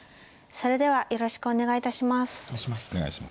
それではよろしくお願いいたします。